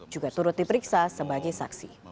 juga turut diperiksa sebagai saksi